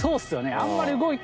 あんまり動いて。